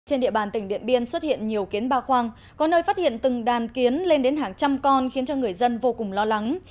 trên địa bàn tỉnh điện biên xuất hiện nhiều kiến ba khoang có nơi phát hiện từng đàn kiến lên đến hàng trăm con khiến cho người dân vô cùng lo lắng